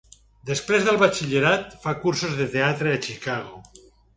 Després del batxillerat, fa cursos de teatre a Chicago.